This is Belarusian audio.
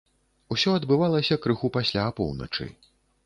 Усё адбывалася крыху пасля апоўначы.